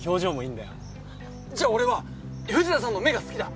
じゃ俺は藤田さんの目が好きだ！